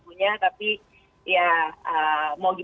maksudnya saya merindukan pertemuan langsung